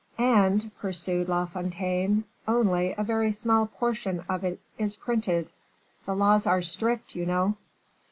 "And," pursued La Fontaine, "only a very small portion of it is printed." "The laws are strict, you know."